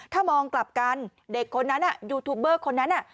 ถ้ามองกลับกันเด็กคนนั้นยูทูบเบอร์คนนั้น